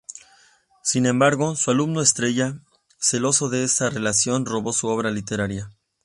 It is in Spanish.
Sin embargo su alumno estrella, celoso de esa relación, roba su obra literaria.